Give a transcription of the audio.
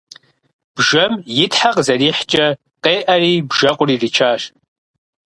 Бжэм и тхьэ къызэрихькӏэ къеӏэри бжэкъур иричащ.